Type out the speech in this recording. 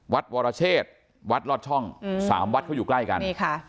วัดวรเชษวัดลอดช่องสามวัดก็อยู่ใกล้กัน